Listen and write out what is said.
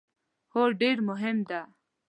هو، ډیر مهم ده